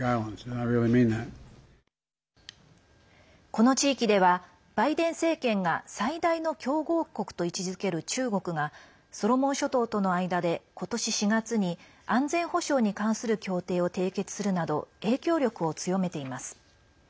この地域ではバイデン政権が最大の強豪国と位置づける中国がソロモン諸島との間で今年４月に安全保障に関する協定を締結するなど影響力を強めています。